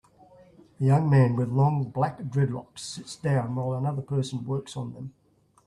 A young man with long black dreadlocks sits down while another person works on them.